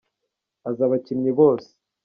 azi abakinnyi bose.